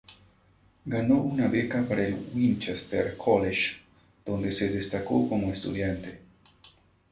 Ganó una beca para el Winchester College, donde se destacó como estudiante.